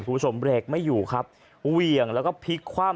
คุณผู้ชมเบรกไม่อยู่ครับเหวี่ยงแล้วก็พลิกคว่ำ